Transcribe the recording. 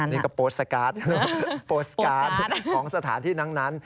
นี่ก็โพสต์สการ์ดโพสต์การ์ดของสถานที่นั้น